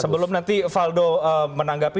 sebelum nanti valdo menanggapi